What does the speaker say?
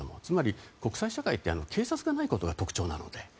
つまり国際社会って警察がないことが特徴なので。